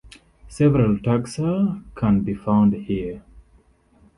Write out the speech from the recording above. Several taxa can be found here.